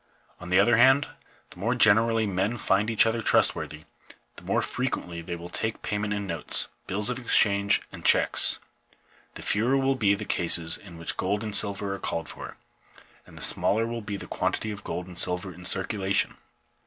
On the other hand, the more generally men find each other trustworthy, the more frequently will they take payment in notes, bills of exchange, and checks ; the fewer will be the cases in which gold and silver are called for, and the smaller will be the quantity of gold and silver in circulation.